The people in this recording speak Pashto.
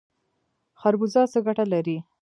خربوزه څه ګټه لري؟